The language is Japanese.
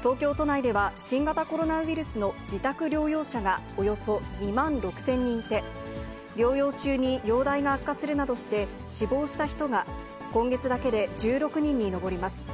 東京都内では新型コロナウイルスの自宅療養者がおよそ２万６０００人いて、療養中に容体が悪化するなどして死亡した人が、今月だけで１６人に上ります。